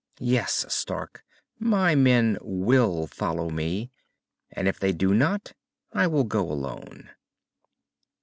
"Yes, Stark. My men will follow me. And if they do not, I will go alone."